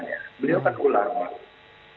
jadi kalau beliau memakai jarum jarum agama